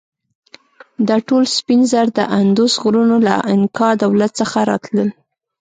دا ټول سپین زر د اندوس غرونو له انکا دولت څخه راتلل.